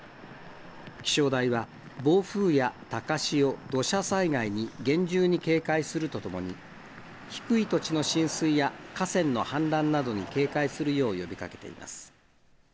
気象台は暴風や高潮、土砂災害に厳重に警戒するとともに、低い土地の浸水や河川の氾濫などに警戒するよう呼びかけています。